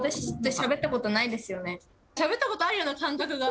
しゃべったことあるような感覚が。